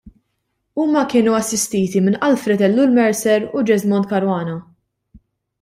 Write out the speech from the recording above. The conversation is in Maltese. Huma kienu assistiti minn Alfred Ellul Mercer u Jesmond Caruana.